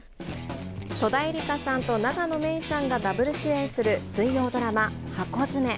戸田恵梨香さんと永野芽郁さんがダブル主演する水曜ドラマ、ハコヅメ。